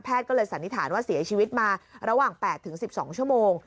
ก็เลยสันนิษฐานว่าเสียชีวิตมาระหว่าง๘๑๒ชั่วโมง